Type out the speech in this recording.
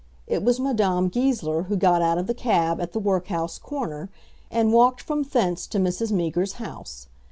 It was Madame Goesler who got out of the cab at the workhouse corner, and walked from thence to Mrs. Meager's house.